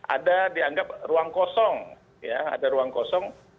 ada dianggap ruang kosong ya ada ruang kosong